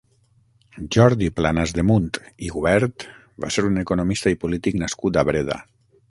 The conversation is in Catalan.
Jordi Planasdemunt i Gubert va ser un economista i polític nascut a Breda.